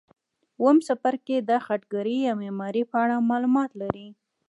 اووم څپرکی د خټګرۍ یا معمارۍ په اړه معلومات لري.